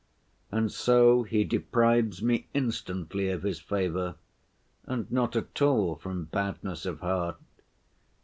And so he deprives me instantly of his favor, and not at all from badness of heart.